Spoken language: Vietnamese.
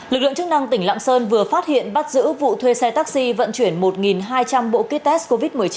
lực lượng chức năng tỉnh lạng sơn vừa phát hiện bắt giữ vụ thuê xe taxi vận chuyển một hai trăm linh bộ kit test covid một mươi chín